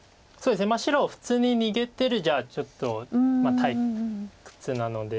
白普通に逃げてるじゃちょっと退屈なので。